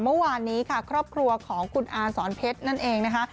เมื่อวานนี้ค่ะครอบครัวของคุณอาสอนเพชรนั่นเองนะคะ